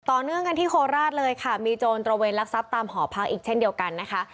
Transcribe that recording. ต่อเนื่องกันที่โคราชเลยค่ะมีโจรตระเวนลักทรัพย์ตามหอพักอีกเช่นเดียวกันนะคะ